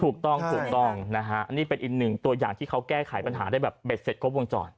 ถูกต้องถูกต้องนะฮะนี่เป็นอีกหนึ่งตัวอย่างที่เขาแก้ไขปัญหาได้แบบเด็ดเสร็จครบวงจร